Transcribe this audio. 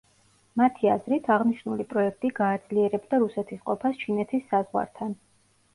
მათი აზრით აღნიშნული პროექტი გააძლიერებდა რუსეთის ყოფას ჩინეთის საზღვართან.